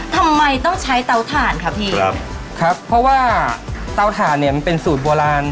ทำไมต้องใช้เตาถ่านค่ะพี่ครับครับเพราะว่าเตาถ่านเนี่ยมันเป็นสูตรโบราณ